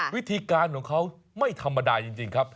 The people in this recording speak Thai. วิธีการของเขาไม่ธรรมดาจริงครับ